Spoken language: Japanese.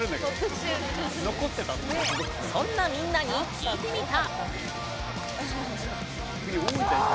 そんなみんなに聞いてみた！